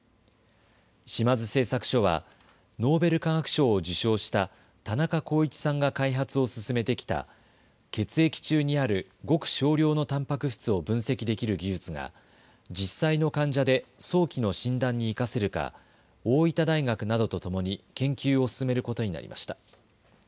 島津製作所はノーベル化学賞を受賞した田中耕一さんが開発を進めてきた血液中にあるごく少量のたんぱく質を分析できる技術が実際の患者で早期の診断に生かせるか大分大学などとともに研究を進めることになりました。